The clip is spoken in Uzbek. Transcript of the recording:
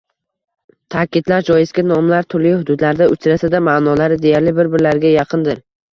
Ta’kidlash joizki, nomlar turli hududlarda uchrasa-da, ma’nolari deyarli bir-birlariga yaqindir.